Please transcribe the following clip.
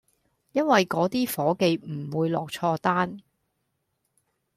因為嗰啲伙計唔會落錯單